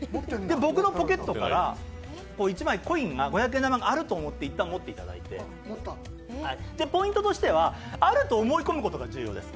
僕のポケットから１枚、コインがあると思っていったん持っていただいて、ポイントとしては、あると思い込むことが重要です。